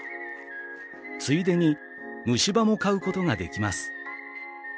ついでに虫歯も買うことができます。